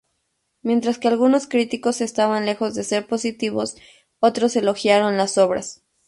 Mientras que algunos críticos estaban lejos de ser positivos, otros elogiaron las obras.